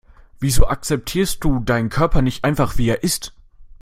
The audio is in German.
Wieso akzeptierst du deinen Körper nicht einfach, wie er ist?